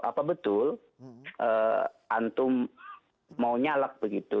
apa betul antum mau nyalek begitu